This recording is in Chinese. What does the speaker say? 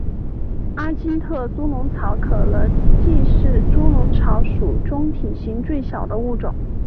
阿金特猪笼草可能既是猪笼草属中体型最小的物种。